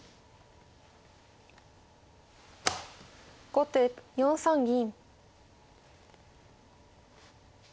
後手４三銀。